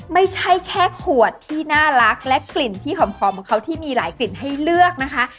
ไม่ใช่แค่ขวดที่น่ารักและกลิ่นที่หอมของเขาที่มีหลายกลิ่นให้เลือกนะคะ